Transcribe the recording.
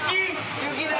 雪だ！